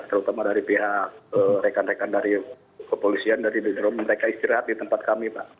terutama dari pihak rekan rekan dari kepolisian dari dedrome mereka istirahat di tempat kami pak